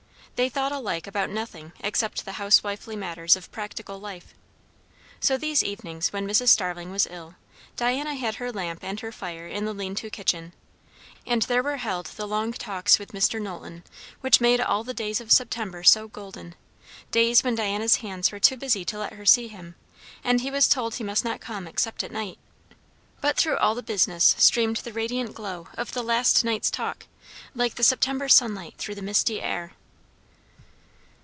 They thought alike about nothing except the housewifely matters of practical life. So these evenings when Mrs. Starling was ill, Diana had her lamp and her fire in the lean to kitchen; and there were held the long talks with Mr. Knowlton which made all the days of September so golden, days when Diana's hands were too busy to let her see him, and he was told he must not come except at night; but through all the business streamed the radiant glow of the last night's talk, like the September sunlight through the misty air.